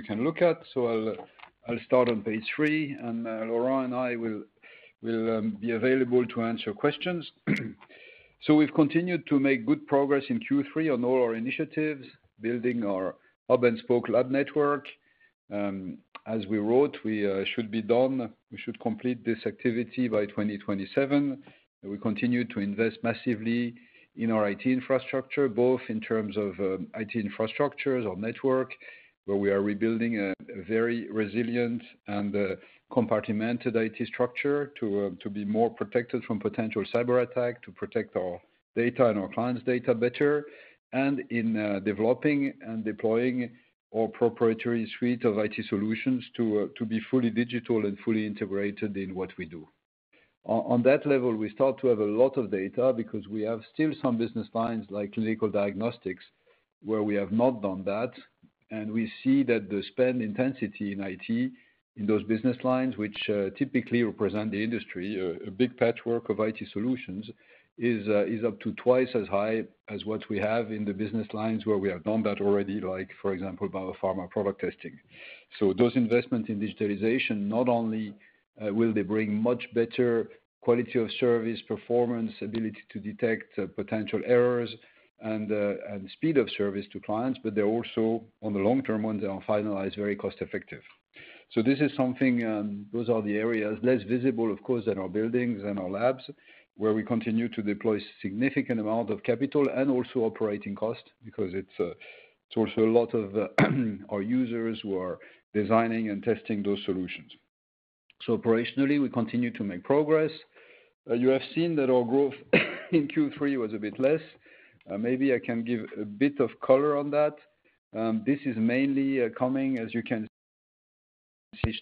You can look at. So I'll start on page three, and Laurent and I will be available to answer questions. So we've continued to make good progress in Q3 on all our initiatives, building our hub-and-spoke lab network. As we wrote, we should be done, we should complete this activity by 2027. We continue to invest massively in our IT infrastructure, both in terms of IT infrastructures, our network, where we are rebuilding a very resilient and compartmented IT structure to to be more protected from potential cyberattack, to protect our data and our clients' data better. And in developing and deploying our proprietary suite of IT solutions to to be fully digital and fully integrated in what we do. On that level, we start to have a lot of data because we have still some business lines, like Clinical Diagnostics, where we have not done that. And we see that the spend intensity in IT, in those business lines, which typically represent the industry a big patchwork of IT solutions, is up to twice as high as what we have in the business lines where we have done that already, like, for example, BioPharma Product Testing. So those investments in digitalization, not only will they bring much better quality of service, performance, ability to detect potential errors and speed of service to clients, but they're also, on the long term, when they are finalized, very cost effective. So this is something... Those are the areas, less visible, of course, than our buildings and our labs, where we continue to deploy significant amount of capital and also operating costs, because it's also a lot of our users who are designing and testing those solutions. So operationally, we continue to make progress. You have seen that our growth in Q3 was a bit less. Maybe I can give a bit of color on that. This is mainly coming, as you can see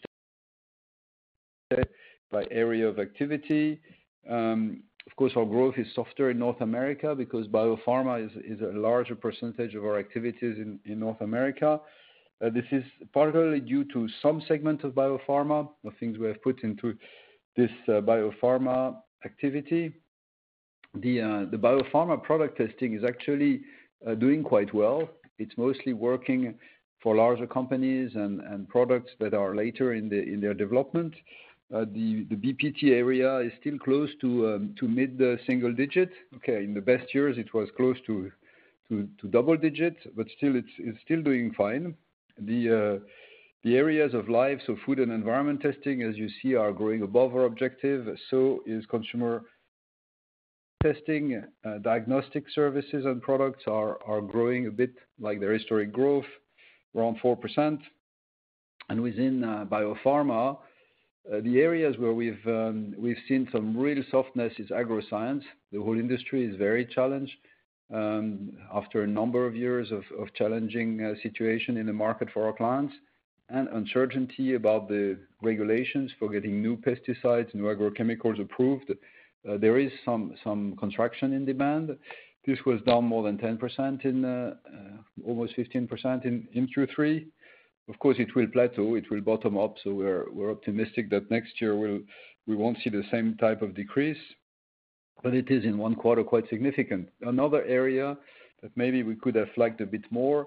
by area of activity. Of course, our growth is softer in North America because BioPharma is a larger percentage of our activities in North America. This is partly due to some segment of BioPharma, the things we have put into this BioPharma activity. The BioPharma Product Testing is actually doing quite well. It's mostly working for larger companies and products that are later in their development. The BPT area is still close to mid-single digit. In the best years, it was close to double digits, but still, it's still doing fine. The areas like Food and Environment Testing as you see, are growing above our objective. So is Consumer Testing, Diagnostic services and products are growing a bit like their historic growth, around 4%. Within BioPharma, the areas where we've seen some real softness is Agroscience. The whole industry is very challenged after a number of years of challenging situation in the market for our clients, and uncertainty about the regulations for getting new pesticides, new agrochemicals approved. There is some contraction in demand. This was down more than 10% in almost 15% in Q3. Of course, it will plateau, it will bottom up, so we're optimistic that next year, we'll, we won't see the same type of decrease, but it is, in one quarter, quite significant. Another area that maybe we could have flagged a bit more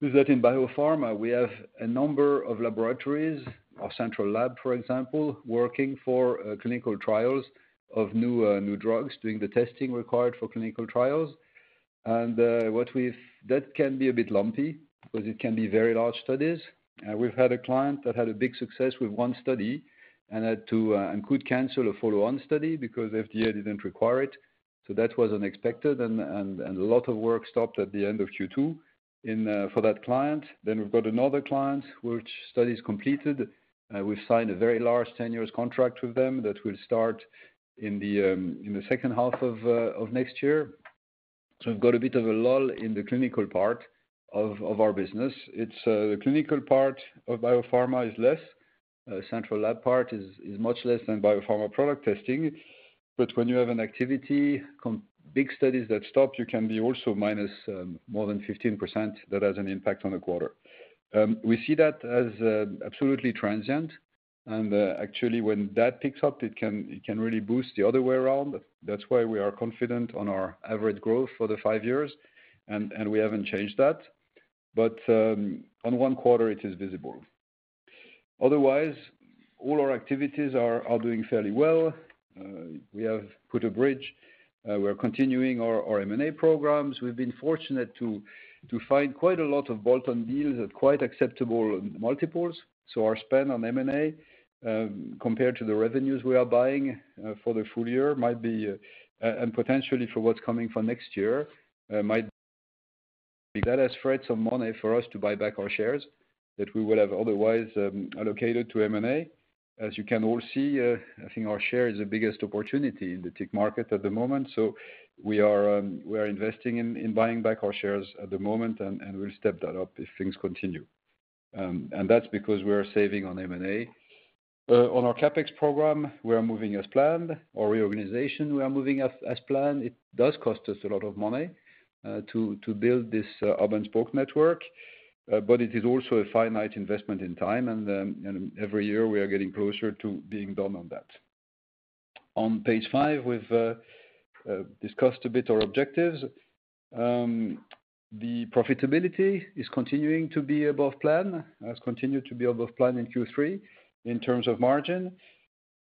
is that in BioPharma, we have a number of laboratories, our Central Lab, for example, working for clinical trials of new drugs, doing the testing required for clinical trials. That can be a bit lumpy, because it can be very large studies. We've had a client that had a big success with one study and had to and could cancel a follow-on study because FDA didn't require it. So that was unexpected, and a lot of work stopped at the end of Q2 in for that client. Then we've got another client, which study is completed. We've signed a very large ten-years contract with them that will start in the second half of next year. So we've got a bit of a lull in the clinical part of our business. It's the clinical part of BioPharma is less. Central lab part is much less than BioPharma Product Testing. But when you have an activity, big studies that stop, you can be also minus more than 15%. That has an impact on the quarter. We see that as absolutely transient, and actually, when that picks up, it can really boost the other way around. That's why we are confident on our average growth for the five years, and we haven't changed that. But on one quarter, it is visible. Otherwise, all our activities are doing fairly well. We have put a bridge. We're continuing our M&A programs. We've been fortunate to find quite a lot of bolt-on deals at quite acceptable multiples. So our spend on M&A compared to the revenues we are buying for the full year might be, and potentially for what's coming for next year, might. That has freed some money for us to buy back our shares that we would have otherwise allocated to M&A. As you can all see, I think our share is the biggest opportunity in the tech market at the moment, so we are investing in buying back our shares at the moment, and we'll step that up if things continue. And that's because we are saving on M&A. On our CapEx program, we are moving as planned. Our reorganization, we are moving as planned. It does cost us a lot of money to build this hub-and-spoke network, but it is also a finite investment in time, and every year we are getting closer to being done on that. On page five, we've discussed a bit our objectives. The profitability is continuing to be above plan, has continued to be above plan in Q3 in terms of margin.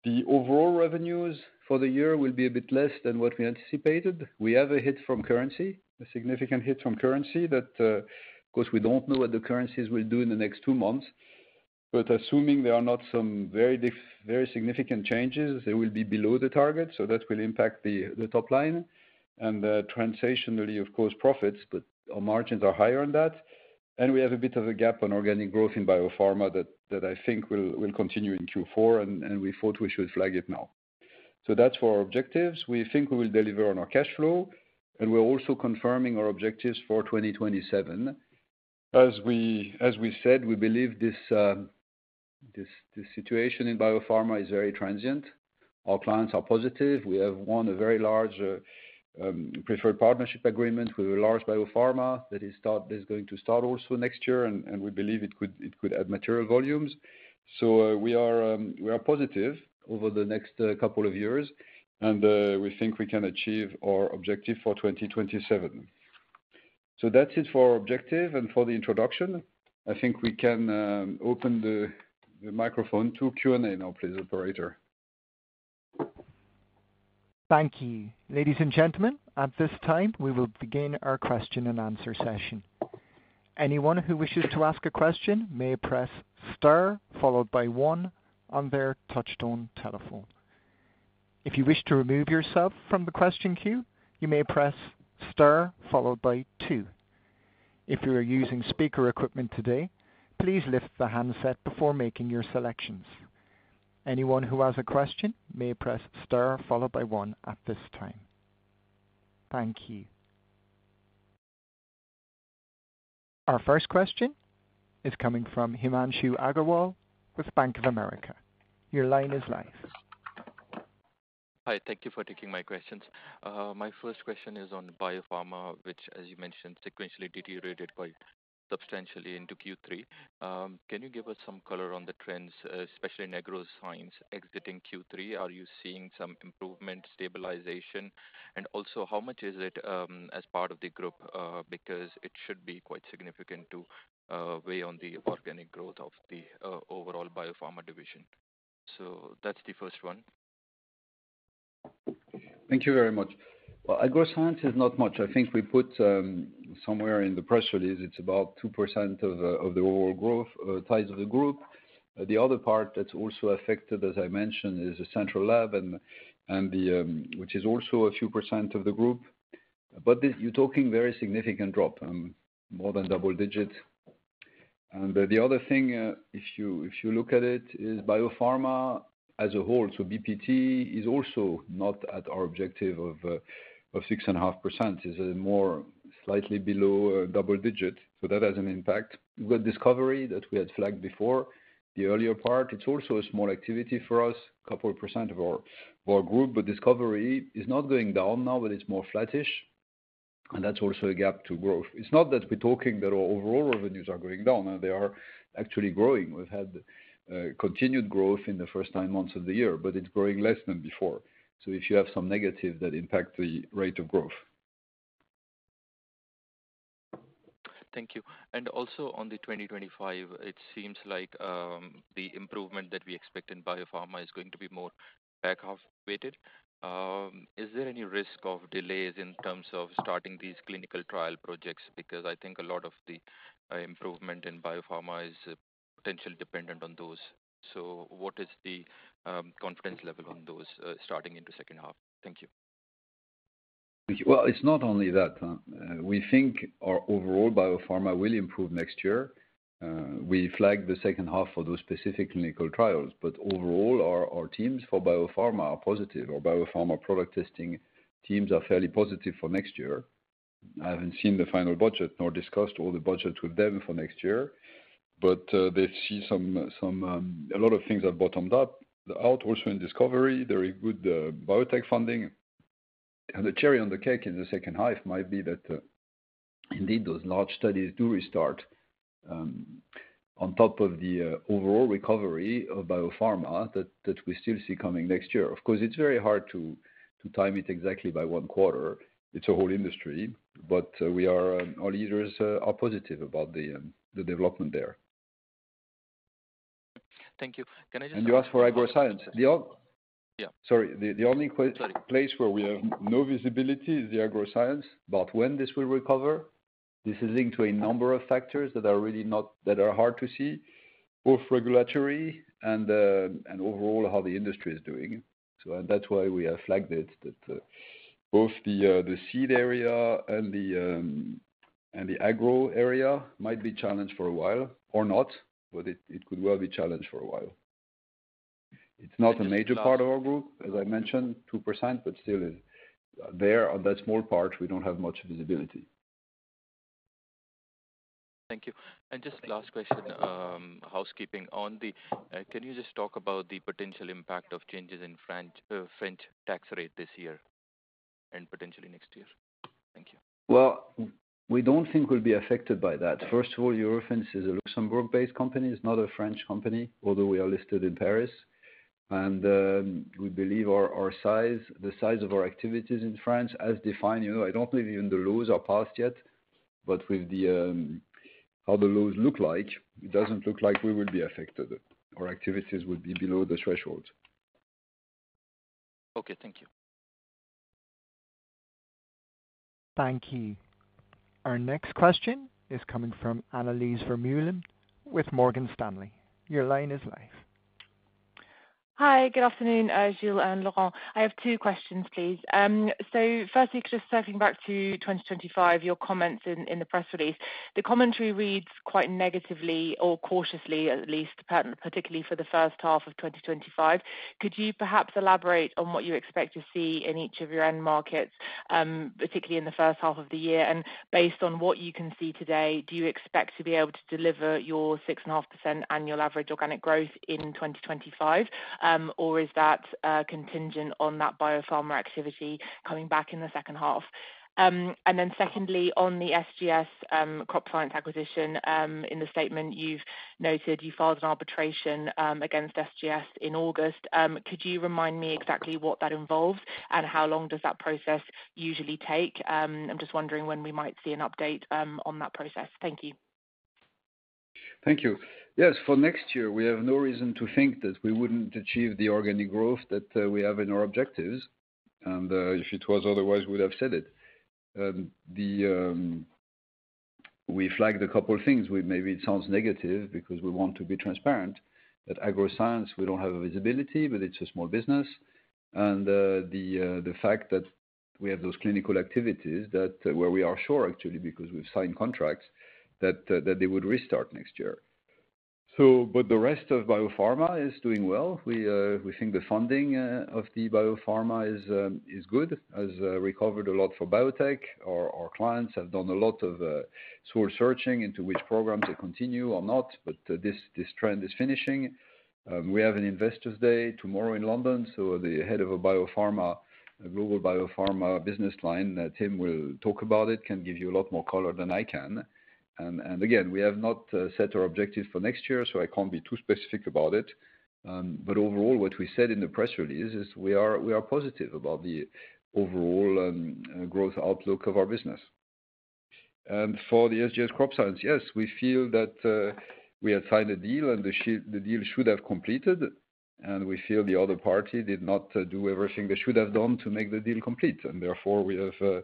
The overall revenues for the year will be a bit less than what we anticipated. We have a hit from currency, a significant hit from currency that, of course, we don't know what the currencies will do in the next two months, but assuming there are not some very significant changes, they will be below the target, so that will impact the top line and, transitionally, of course, profits, but our margins are higher on that. And we have a bit of a gap on organic growth in BioPharma that I think will continue in Q4, and we thought we should flag it now. So that's for our objectives. We think we will deliver on our cash flow, and we're also confirming our objectives for twenty twenty-seven. As we said, we believe this situation in BioPharma is very transient. Our clients are positive. We have won a very large preferred partnership agreement with a large BioPharma that is going to start also next year, and we believe it could add material volumes. So, we are positive over the next couple of years, and we think we can achieve our objective for twenty twenty-seven. So that's it for our objective and for the introduction. I think we can open the microphone to Q&A now, please, operator. Thank you. Ladies and gentlemen, at this time, we will begin our question-and-answer session. Anyone who wishes to ask a question may press star, followed by one on their touchtone telephone. If you wish to remove yourself from the question queue, you may press star followed by two. If you are using speaker equipment today, please lift the handset before making your selections. Anyone who has a question may press star followed by one at this time. Thank you. Our first question is coming from Himanshu Agarwal with Bank of America. Your line is live. Hi, thank you for taking my questions. My first question is on BioPharma, which, as you mentioned, sequentially deteriorated quite substantially into Q3. Can you give us some color on the trends, especially in Agroscience exiting Q3, are you seeing some improvement, stabilization? And also, how much is it, as part of the group? Because it should be quite significant to weigh on the organic growth of the overall BioPharma division. So that's the first one. Thank you very much. Agroscience is not much. I think we put somewhere in the press release, it's about 2% of the overall growth size of the group. The other part that's also affected, as I mentioned, is the Central Lab and the, which is also a few percent of the group. This, you're talking very significant drop, more than double digits. The other thing if you look at it, is BioPharma as a whole, so BPT is also not at our objective of 6.5%. It's more slightly below double digits, so that has an impact. We've got Discovery that we had flagged before. The earlier part, it's also a small activity for us, a couple of % of our group, but Discovery is not going down now, but it's more flattish, and that's also a gap to growth. It's not that we're talking that our overall revenues are going down, and they are actually growing. We've had continued growth in the first nine months of the year, but it's growing less than before. So if you have some negative, that impact the rate of growth. Thank you. And also on the 2025, it seems like, the improvement that we expect in BioPharma is going to be more back half weighted. Is there any risk of delays in terms of starting these clinical trial projects? Because I think a lot of the improvement in BioPharma is potentially dependent on those. So what is the confidence level on those starting in the second half? Thank you. It's not only that, we think our overall BioPharma will improve next year. We flagged the second half for those specific clinical trials, but overall, our teams for BioPharma are positive, or BioPharma Product Testing teams are fairly positive for next year. I haven't seen the final budget nor discussed all the budgets with them for next year, but they see some. A lot of things have bottomed out. Also in discovery, very good biotech funding. And the cherry on the cake in the second half might be that, indeed, those large studies do restart, on top of the overall recovery of BioPharma that we still see coming next year. Of course, it's very hard to time it exactly by one quarter. It's a whole industry, but we are, our leaders are positive about the development there. Thank you. Can I just- You asked for Agroscience. Yeah. Sorry, the only place where we have no visibility is the Agroscience. But when this will recover, this is linked to a number of factors that are hard to see, both regulatory and overall, how the industry is doing. And that's why we have flagged it, that both the seed area and the agro area might be challenged for a while or not, but it could well be challenged for a while. It's not a major part of our group, as I mentioned, 2%, but still, there, on that small part, we don't have much visibility. Thank you, and just last question, housekeeping. Can you just talk about the potential impact of changes in French tax rate this year?... and potentially next year? Thank you. We don't think we'll be affected by that. First of all, Eurofins is a Luxembourg-based company. It's not a French company, although we are listed in Paris. We believe our size, the size of our activities in France, as defined, you know, I don't believe even the laws are passed yet. With the, how the laws look like, it doesn't look like we will be affected. Our activities will be below the threshold. Okay, thank you. Thank you. Our next question is coming from Annelies Vermeulen with Morgan Stanley. Your line is live. Hi, good afternoon, Gilles and Laurent. I have two questions, please. So firstly, just circling back to twenty twenty-five, your comments in the press release. The commentary reads quite negatively or cautiously, at least, particularly for the first half of twenty twenty-five. Could you perhaps elaborate on what you expect to see in each of your end markets, particularly in the first half of the year? And based on what you can see today, do you expect to be able to deliver your 6.5% annual average organic growth in twenty twenty-five, or is that contingent on that BioPharma activity coming back in the second half? And then secondly, on the SGS Crop Science acquisition, in the statement you've noted you filed an arbitration against SGS in August. Could you remind me exactly what that involves, and how long does that process usually take? I'm just wondering when we might see an update on that process. Thank you. Thank you. Yes, for next year, we have no reason to think that we wouldn't achieve the organic growth that we have in our objectives. And if it was otherwise, we'd have said it. We flagged a couple of things. Maybe it sounds negative because we want to be transparent. At Agroscience, we don't have a visibility, but it's a small business. And the fact that we have those clinical activities, that where we are sure, actually, because we've signed contracts, that they would restart next year. So but the rest of BioPharma is doing well. We think the funding of the BioPharma is good, has recovered a lot for biotech. Our clients have done a lot of source searching into which program to continue or not, but this trend is finishing. We have an Investors Day tomorrow in London, so the head of BioPharma, a global BioPharma business line, Tim, will talk about it, can give you a lot more color than I can. Again, we have not set our objective for next year, so I can't be too specific about it. Overall, what we said in the press release is we are positive about the overall growth outlook of our business. And for the SGS Crop Science, yes, we feel that we had signed a deal and the deal should have completed, and we feel the other party did not do everything they should have done to make the deal complete. And therefore, we have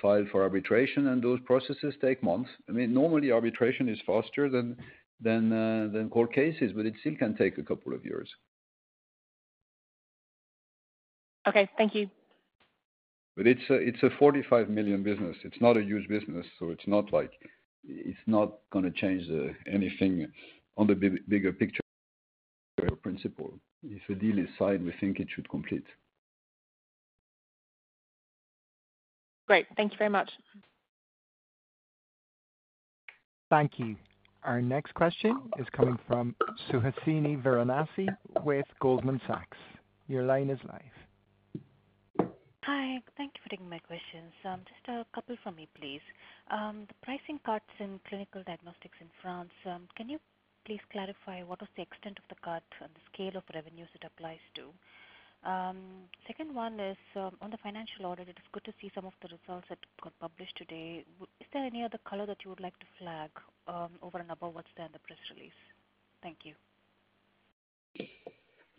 filed for arbitration, and those processes take months. I mean, normally, arbitration is faster than court cases, but it still can take a couple of years. Okay, thank you. It's a 45 million business. It's not a huge business, so it's not like it's gonna change anything on the bigger picture principle. If a deal is signed, we think it should complete. Great, thank you very much. Thank you. Our next question is coming from Suhasini Varanasi with Goldman Sachs. Your line is live. Hi, thank you for taking my questions. Just a couple for me, please. The pricing cuts in clinical diagnostics in France, can you please clarify what is the extent of the cut and the scale of revenues it applies to? Second one is, on the forensic audit, it is good to see some of the results that got published today. Is there any other color that you would like to flag, over and above what's there in the press release? Thank you.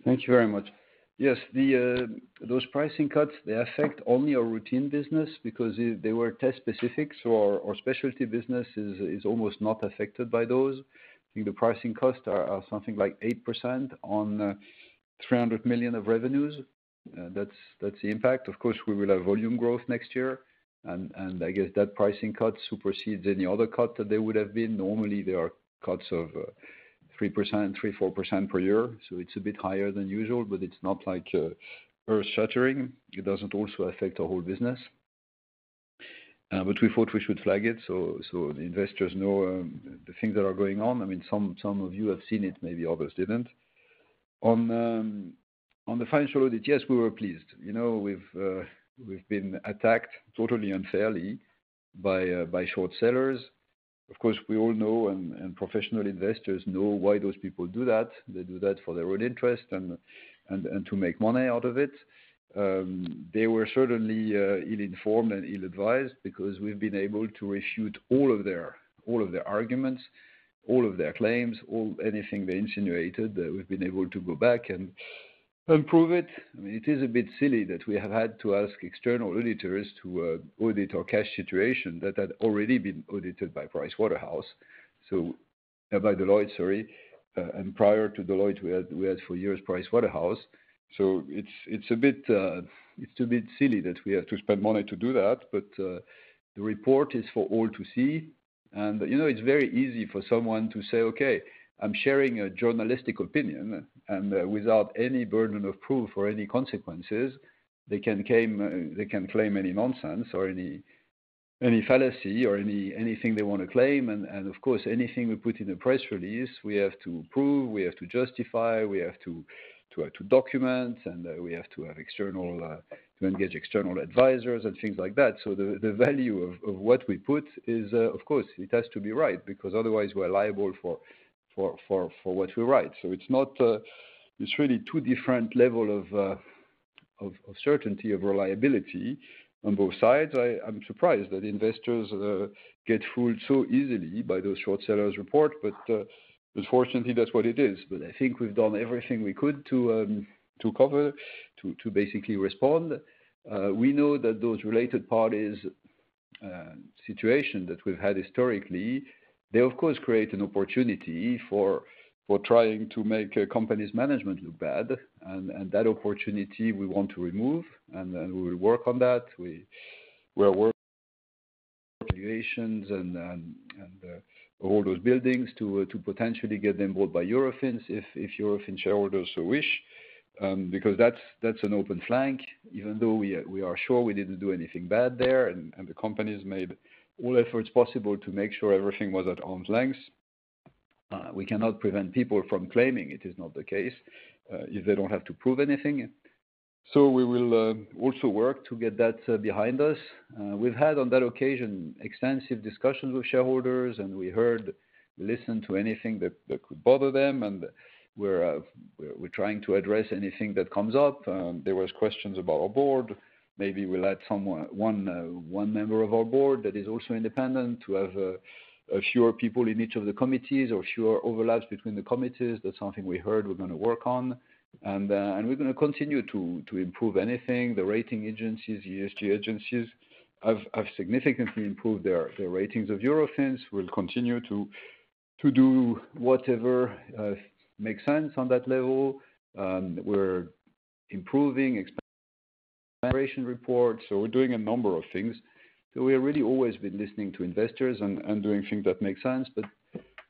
Thank you very much. Yes, those pricing cuts, they affect only our routine business because they were test specific, so our specialty business is almost not affected by those. I think the pricing costs are something like 8% on 300 million of revenues. That's the impact. Of course, we will have volume growth next year, and I guess that pricing cut supersedes any other cut that there would have been. Normally, there are cuts of 3%, 3-4% per year, so it's a bit higher than usual, but it's not like earth-shattering. It doesn't also affect our whole business, but we thought we should flag it, so the investors know the things that are going on. I mean, some of you have seen it, maybe others didn't. On the financial audit, yes, we were pleased. You know, we've been attacked totally unfairly by short sellers. Of course, we all know and professional investors know why those people do that. They do that for their own interest and to make money out of it. They were certainly ill-informed and ill-advised because we've been able to refute all of their arguments, all of their claims, anything they insinuated, that we've been able to go back and prove it. I mean, it is a bit silly that we have had to ask external auditors to audit our cash situation that had already been audited by Pricewaterhouse, so by Deloitte, sorry. And prior to Deloitte, we had for years Pricewaterhouse. It's a bit silly that we have to spend money to do that, but the report is for all to see. You know, it's very easy for someone to say, "Okay, I'm sharing a journalistic opinion," and without any burden of proof or any consequences, they can claim any nonsense or any fallacy or anything they want to claim. Of course, anything we put in a press release, we have to prove, we have to justify, we have to document, and we have to engage external advisors and things like that. The value of what we put is, of course, it has to be right, because otherwise we're liable for what we write. So it's not, it's really two different level of certainty of reliability on both sides. I'm surprised that investors get fooled so easily by those short sellers report, but unfortunately, that's what it is. But I think we've done everything we could to cover to basically respond. We know that those related parties situation that we've had historically, they of course create an opportunity for trying to make a company's management look bad, and that opportunity we want to remove, and we will work on that. We are working on valuations and all those buildings to potentially get them bought by Eurofins, if Eurofins shareholders so wish. Because that's an open flank. Even though we are sure we didn't do anything bad there, and the company's made all efforts possible to make sure everything was at arm's length, we cannot prevent people from claiming it is not the case if they don't have to prove anything. So we will also work to get that behind us. We've had, on that occasion, extensive discussions with shareholders, and we listened to anything that could bother them, and we're trying to address anything that comes up. There was questions about our board. Maybe we'll add one member of our board that is also independent, to have a fewer people in each of the committees or fewer overlaps between the committees. That's something we heard we're gonna work on, and we're gonna continue to improve anything. The rating agencies, ESG agencies, have significantly improved their ratings of Eurofins. We'll continue to do whatever makes sense on that level. We're improving ESG reports, so we're doing a number of things, so we've really always been listening to investors and doing things that make sense, but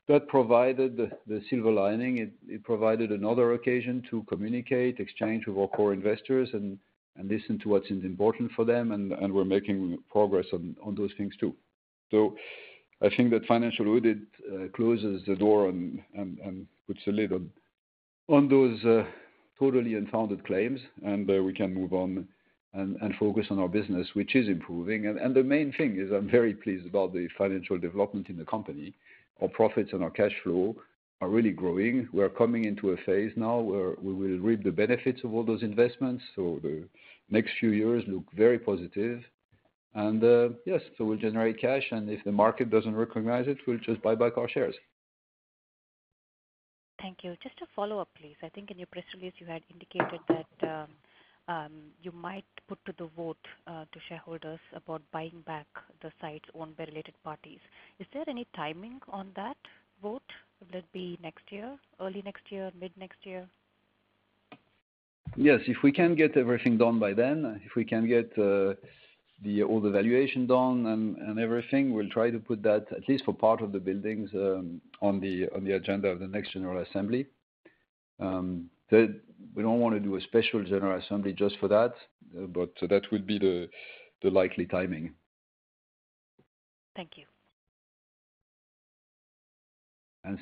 that provided the silver lining. It provided another occasion to communicate, exchange with our core investors and listen to what is important for them, and we're making progress on those things, too, so I think that forensic audit closes the door and puts a lid on those totally unfounded claims, and we can move on and focus on our business, which is improving, and the main thing is I'm very pleased about the financial development in the company. Our profits and our cash flow are really growing. We are coming into a phase now where we will reap the benefits of all those investments. So the next few years look very positive. And, yes, so we'll generate cash, and if the market doesn't recognize it, we'll just buy back our shares. Thank you. Just a follow-up, please. I think in your press release, you had indicated that you might put to the vote to shareholders about buying back the sites owned by related parties. Is there any timing on that vote? Would it be next year, early next year, mid-next year? Yes, if we can get everything done by then, if we can get the valuation done and everything, we'll try to put that, at least for part of the buildings, on the agenda of the next general assembly. We don't want to do a special general assembly just for that, but that would be the likely timing. Thank you.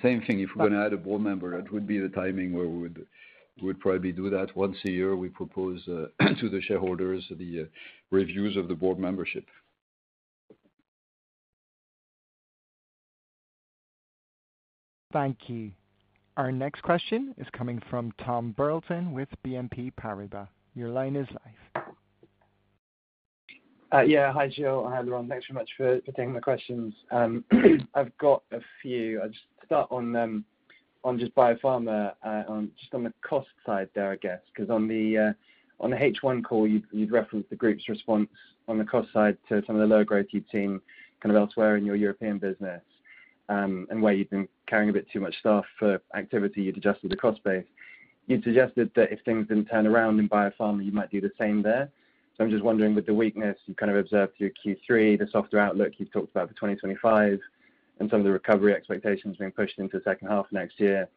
Same thing, if we're going to add a board member, that would be the timing where we'd probably do that. Once a year, we propose to the shareholders the reviews of the board membership. Thank you. Our next question is coming from Tom Burton with BNP Paribas. Your line is live. Yeah, hi, Gilles. Hi, Laurent. Thanks so much for taking my questions. I've got a few. I'll just start on just BioPharma, on the cost side there, I guess, because on the H1 call, you'd referenced the group's response on the cost side to some of the lower growth you've seen kind of elsewhere in your European business, and where you've been carrying a bit too much staff for activity, you'd adjusted the cost base. You suggested that if things didn't turn around in BioPharma, you might do the same there. So I'm just wondering, with the weakness you kind of observed through Q3, the softer outlook you've talked about for 2025, and some of the recovery expectations being pushed into second half of next year,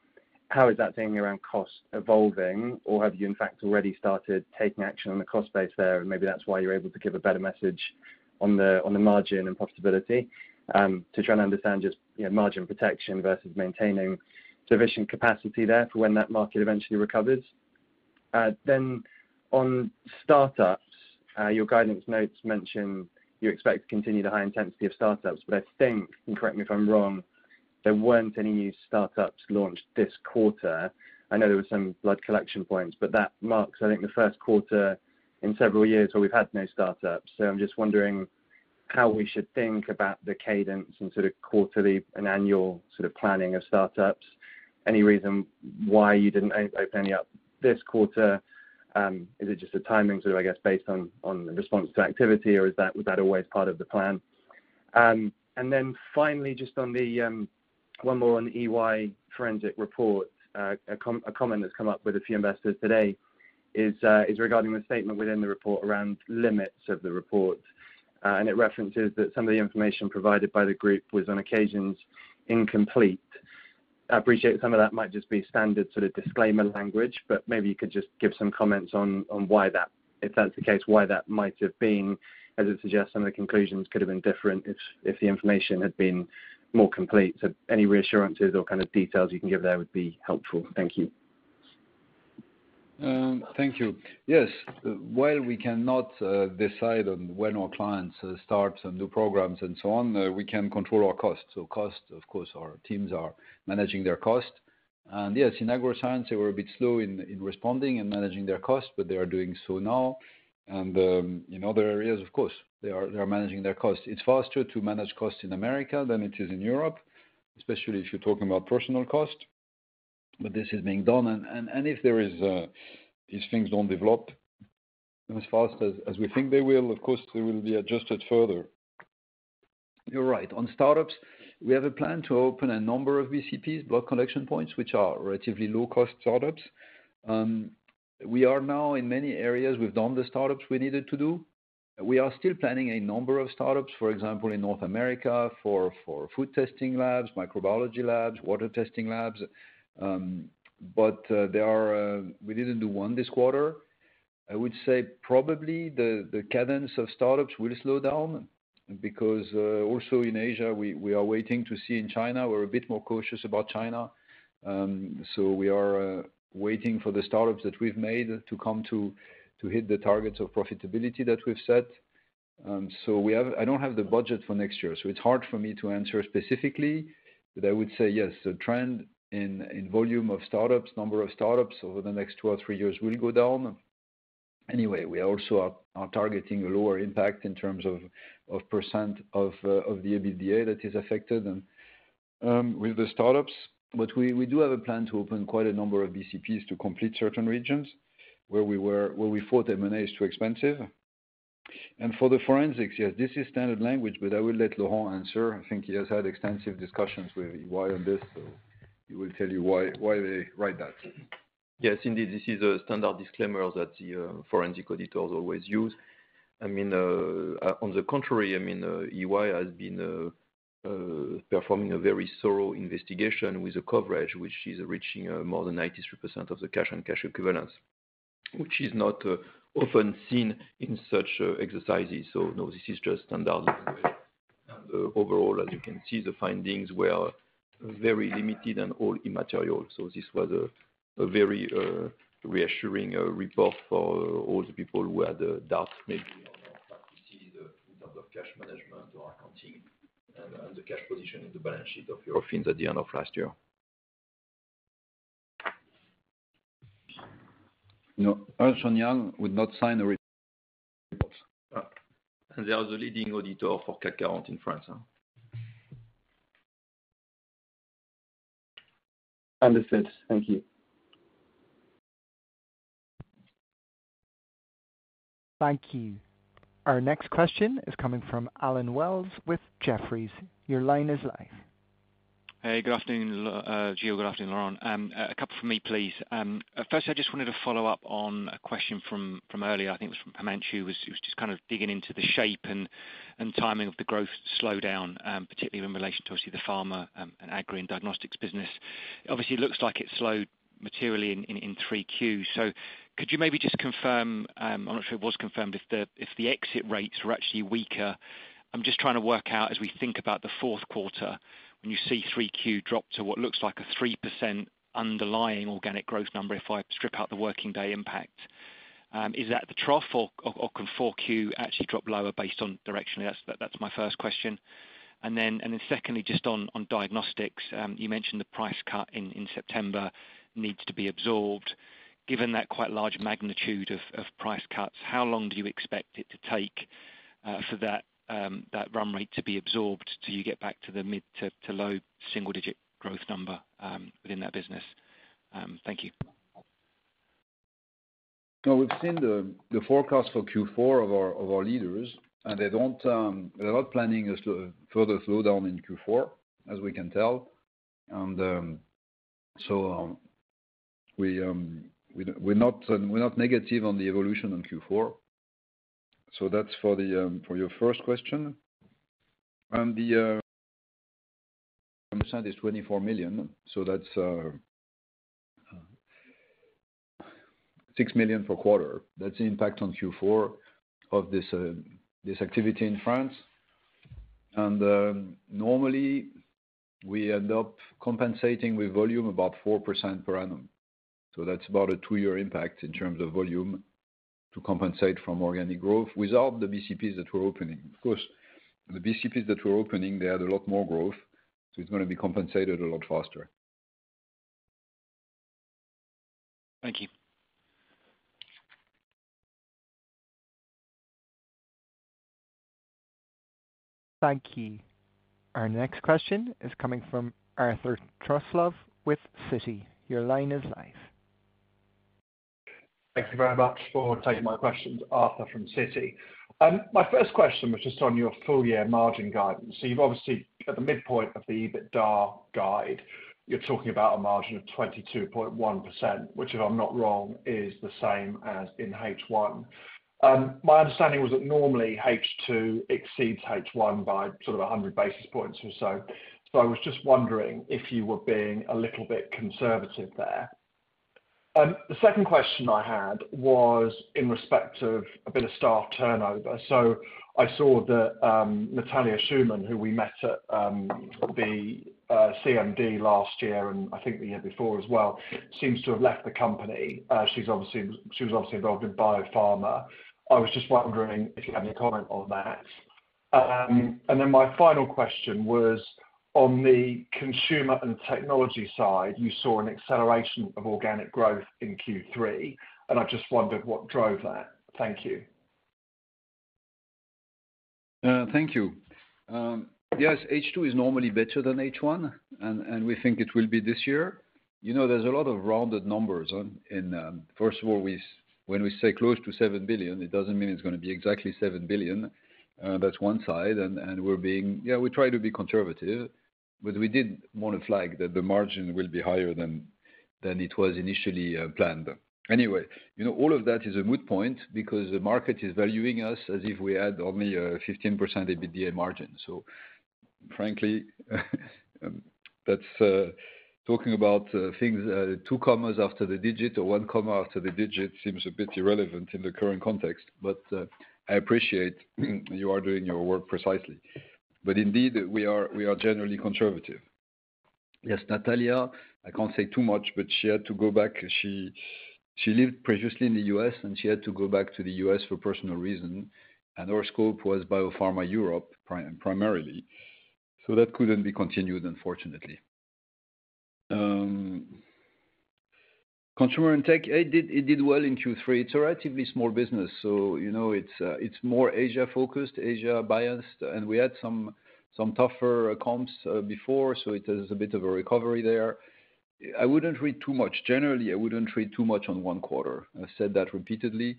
how is that thinking around costs evolving? Or have you, in fact, already started taking action on the cost base there, and maybe that's why you're able to give a better message on the margin and possibility to try and understand just, you know, margin protection versus maintaining sufficient capacity there for when that market eventually recovers. Then on startups, your guidance notes mention you expect to continue the high intensity of startups, but I think, and correct me if I'm wrong, there weren't any new startups launched this quarter. I know there were some blood collection points, but that marks, I think, the first quarter in several years where we've had no startups. So I'm just wondering how we should think about the cadence and sort of quarterly and annual sort of planning of startups. Any reason why you didn't open any up this quarter? Is it just a timing sort of, I guess, based on the response to activity, or was that always part of the plan? Then finally, just one more on the EY forensic report. A comment that's come up with a few investors today is regarding the statement within the report around limits of the report, and it references that some of the information provided by the group was on occasions incomplete.... I appreciate some of that might just be standard sort of disclaimer language, but maybe you could just give some comments on, on why that, if that's the case, why that might have been, as it suggests, some of the conclusions could have been different if, if the information had been more complete. So any reassurances or kind of details you can give there would be helpful. Thank you. Thank you. Yes. While we cannot decide on when our clients start some new programs and so on, we can control our costs. So costs, of course, our teams are managing their costs. And yes, in Agroscience, they were a bit slow in responding and managing their costs, but they are doing so now. And in other areas, of course, they are managing their costs. It's faster to manage costs in America than it is in Europe, especially if you're talking about personnel costs, but this is being done. And if there is, these things don't develop as fast as we think they will, of course, they will be adjusted further. You're right. On startups, we have a plan to open a number of BCPs, blood collection points, which are relatively low-cost startups. We are now in many areas, we've done the startups we needed to do. We are still planning a number of startups, for example, in North America, for food testing labs, microbiology labs, water testing labs, but we didn't do one this quarter. I would say probably the cadence of startups will slow down because also in Asia, we are waiting to see in China, we're a bit more cautious about China, so we are waiting for the startups that we've made to come to hit the targets of profitability that we've set. So we have. I don't have the budget for next year, so it's hard for me to answer specifically, but I would say, yes, the trend in volume of startups, number of startups over the next two or three years will go down. Anyway, we also are targeting a lower impact in terms of percent of the EBITDA that is affected, and with the startups. But we do have a plan to open quite a number of BCPs to complete certain regions where we thought M&A is too expensive. For the forensics, yes, this is standard language, but I will let Laurent answer. I think he has had extensive discussions with EY on this, so he will tell you why they write that. Yes, indeed, this is a standard disclaimer that the forensic auditors always use. I mean, on the contrary, I mean, EY has been performing a very thorough investigation with the coverage, which is reaching more than 93% of the cash and cash equivalents, which is not often seen in such exercises. So no, this is just standard, and overall, as you can see, the findings were very limited and all immaterial. So this was a very reassuring report for all the people who had a doubt, maybe on accuracy in terms of cash management or accounting and the cash position in the balance sheet of Eurofins at the end of last year. No, Ernst & Young would not sign a report. They are the leading auditor for CAC in France. Understood. Thank you. Thank you. Our next question is coming from Allen Wells with Jefferies. Your line is live. Hey, good afternoon, Gilles, good afternoon, Laurent. A couple from me, please. First, I just wanted to follow up on a question from earlier. I think it was from Himanshu. It was just kind of digging into the shape and timing of the growth slowdown, particularly in relation to obviously the pharma and agri and diagnostics business. Obviously, looks like it slowed materially in three Q. So could you maybe just confirm, I'm not sure it was confirmed, if the exit rates were actually weaker? I'm just trying to work out as we think about the fourth quarter, when you see 3Q drop to what looks like a 3% underlying organic growth number, if I strip out the working day impact, is that the trough or can 4Q actually drop lower based on directionally? That's my first question. Then secondly, just on diagnostics, you mentioned the price cut in September needs to be absorbed. Given that quite large magnitude of price cuts, how long do you expect it to take for that run rate to be absorbed till you get back to the mid- to low-single-digit growth number within that business? Thank you. We've seen the forecast for Q4 of our leaders, and they're not planning a further slowdown in Q4, as we can tell. We're not negative on the evolution in Q4. That's for your first question. The understanding is 24 million, so that's 6 million per quarter. That's the impact on Q4 of this activity in France. Normally, we end up compensating with volume about 4% per annum. That's about a two-year impact in terms of volume to compensate from organic growth without the BCPs that we're opening. Of course, the BCPs that we're opening had a lot more growth, so it's gonna be compensated a lot faster. Thank you. Thank you. Our next question is coming from Arthur Truslove, with Citi. Your line is live. Thank you very much for taking my questions, Arthur from Citi. My first question was just on your full year margin guidance. So you've obviously, at the midpoint of the EBITDA guide, you're talking about a margin of 22.1%, which, if I'm not wrong, is the same as in H1. My understanding was that normally, H2 exceeds H1 by sort of 100 basis points or so. So I was just wondering if you were being a little bit conservative there? The second question I had was in respect of a bit of staff turnover. So I saw that, Natalia Shuman, who we met at the CMD last year, and I think the year before as well, seems to have left the company. She was obviously involved in BioPharma. I was just wondering if you had any comment on that, and then my final question was, on the consumer and technology side, you saw an acceleration of organic growth in Q3, and I just wondered what drove that. Thank you. Thank you. Yes, H2 is normally better than H1, and we think it will be this year. You know, there's a lot of rounded numbers on, in... First of all, when we say close to 7 billion, it doesn't mean it's gonna be exactly 7 billion. That's one side, and we're being-- yeah, we try to be conservative, but we did want to flag that the margin will be higher than it was initially planned. Anyway, you know, all of that is a moot point, because the market is valuing us as if we had only a 15% EBITDA margin. So frankly, that's talking about things two commas after the digit or one comma after the digit seems a bit irrelevant in the current context, but I appreciate you are doing your work precisely. But indeed, we are generally conservative. Yes, Natalia, I can't say too much, but she had to go back. She lived previously in the U.S., and she had to go back to the U.S. for personal reasons, and her scope was BioPharma Europe primarily, so that couldn't be continued, unfortunately. Consumer and Tech, it did well in Q3. It's a relatively small business, so you know, it's more Asia-focused, Asia-biased, and we had some tougher comps before, so it is a bit of a recovery there. I wouldn't read too much. Generally, I wouldn't read too much on one quarter. I said that repeatedly,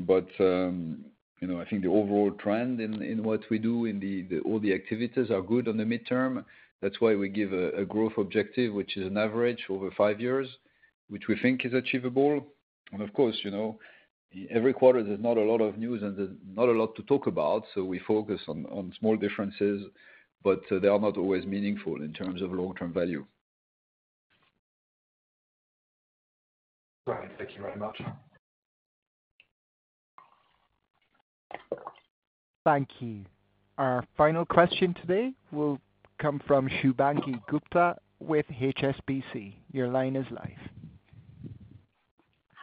but you know, I think the overall trend in what we do in all the activities are good on the midterm. That's why we give a growth objective, which is an average over five years, which we think is achievable, and of course, you know, every quarter there's not a lot of news and not a lot to talk about, so we focus on small differences, but they are not always meaningful in terms of long-term value. Right. Thank you very much. Thank you. Our final question today will come from Shubhangi Gupta with HSBC. Your line is live.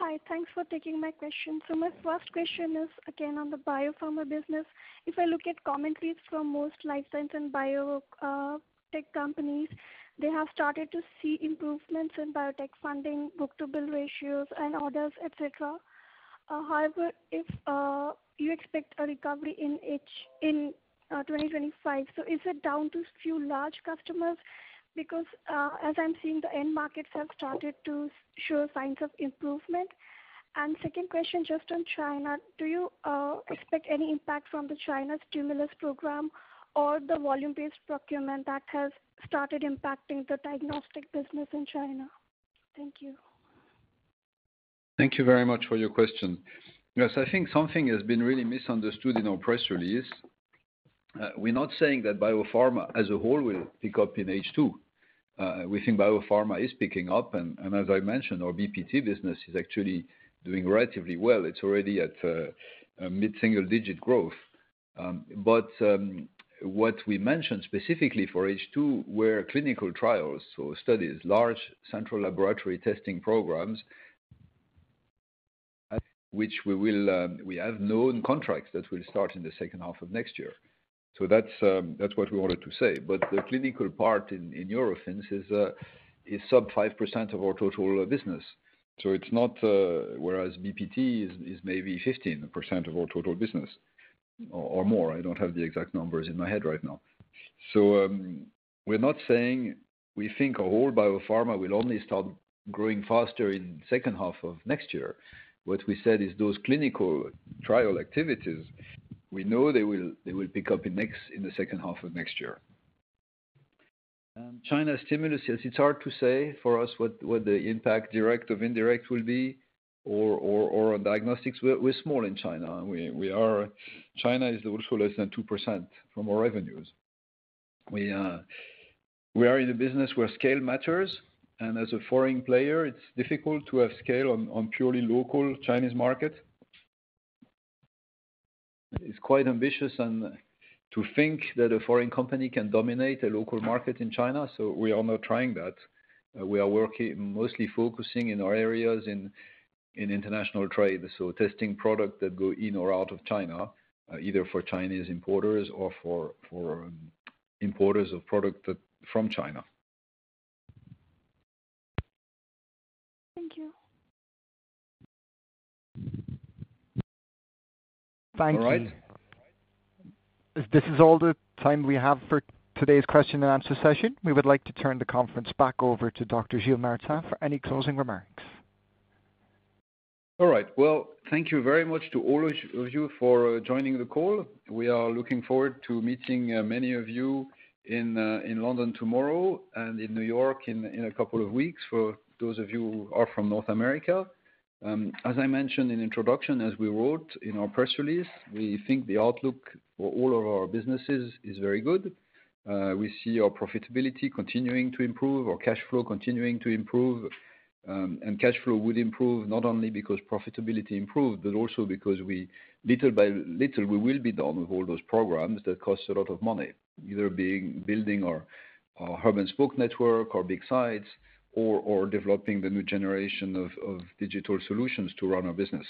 Hi, thanks for taking my question. So my first question is, again, on the BioPharma business. If I look at commentaries from most life science and biotech companies, they have started to see improvements in biotech funding, book-to-bill ratios, and orders, et cetera. However, if you expect a recovery in H2 in 2025, so is it down to few large customers? Because, as I'm seeing, the end markets have started to show signs of improvement. And second question, just on China: Do you expect any impact from the China stimulus program or the volume-based procurement that has started impacting the diagnostic business in China? Thank you. Thank you very much for your question. Yes, I think something has been really misunderstood in our press release. We're not saying that BioPharma, as a whole, will pick up in H2. We think BioPharma is picking up, and as I mentioned, our BPT business is actually doing relatively well. It's already at a mid-single digit growth. But what we mentioned specifically for H2 were clinical trials, so studies, large Central Laboratory testing programs, which we will, we have known contracts that will start in the second half of next year. So that's what we wanted to say. But the clinical part in Eurofins is sub 5% of our total business. So it's not. Whereas BPT is maybe 15% of our total business, or more. I don't have the exact numbers in my head right now. So, we're not saying we think our whole BioPharma will only start growing faster in second half of next year. What we said is those clinical trial activities, we know they will pick up in the second half of next year. And China stimulus, yes, it's hard to say for us what the impact, direct or indirect, will be or on diagnostics. We're small in China. We are. China is also less than 2% from our revenues. We are in a business where scale matters, and as a foreign player, it's difficult to have scale on purely local Chinese market. It's quite ambitious and to think that a foreign company can dominate a local market in China, so we are not trying that. We are working mostly focusing in our areas in international trade, so testing products that go in or out of China, either for Chinese importers or for importers of product that from China. Thank you. Thank you. All right. This is all the time we have for today's question and answer session. We would like to turn the conference back over to Dr. Gilles Martin for any closing remarks. All right. Well, thank you very much to all of you for joining the call. We are looking forward to meeting many of you in London tomorrow and in New York in a couple of weeks, for those of you who are from North America. As I mentioned in introduction, as we wrote in our press release, we think the outlook for all of our businesses is very good. We see our profitability continuing to improve, our cash flow continuing to improve, and cash flow would improve not only because profitability improved, but also because we, little by little, we will be done with all those programs that cost a lot of money, either being building our hub and spoke network, or big sites, or developing the new generation of digital solutions to run our business.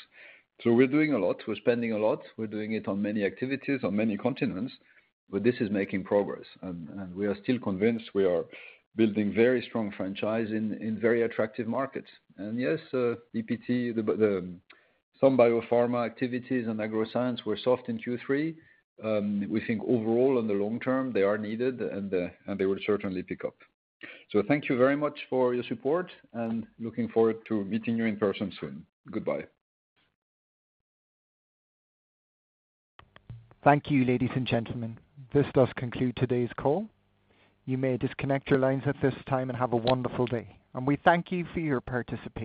So we're doing a lot. We're spending a lot. We're doing it on many activities, on many continents, but this is making progress, and we are still convinced we are building very strong franchise in very attractive markets. And yes, BPT, the BioPharma activities and Agroscience were soft in Q3. We think overall in the long term, they are needed and they will certainly pick up. So thank you very much for your support, and looking forward to meeting you in person soon. Goodbye. Thank you, ladies and gentlemen. This does conclude today's call. You may disconnect your lines at this time and have a wonderful day, and we thank you for your participation.